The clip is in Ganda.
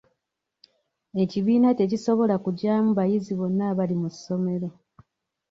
Ekibiina tekisobola kugyamu bayizi bonna abali mu ssomero.